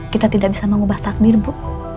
kita tidak bisa mengubah takdir bu